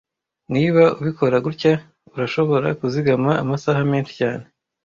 Niba ubikora gutya, urashobora kuzigama amasaha menshi cyane